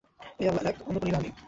এই আল্লাহ এক, অন্য কোন ইলাহ নেই।